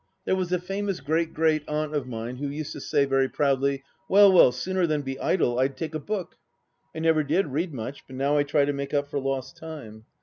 There was a famous great great aunt of mine who used to say, very proudly, " Well, well, sooner than be idle I'd take a book !" I never did read much, but now I try to make up for lost time.